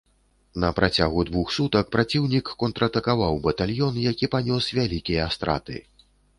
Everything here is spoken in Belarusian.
На працягу двух сутак праціўнік контратакаваў батальён, які панёс вялікія страты.